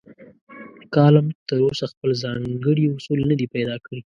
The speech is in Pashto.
کالم تراوسه خپل ځانګړي اصول نه دي پیدا کړي.